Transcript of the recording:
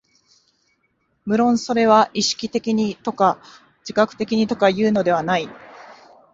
無論それは意識的にとか自覚的にとかいうのではない。